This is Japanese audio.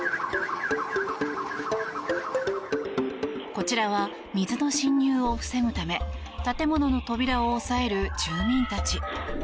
こちらは水の浸入を防ぐため建物の扉を押さえる住民たち。